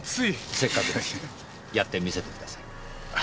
せっかくですやってみせてください。